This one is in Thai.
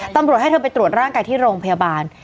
ตำรวจให้เธอไปตรวจร่างกายที่โรงพยาบาล